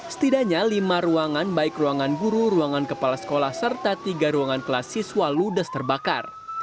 setidaknya lima ruangan baik ruangan guru ruangan kepala sekolah serta tiga ruangan kelas siswa ludes terbakar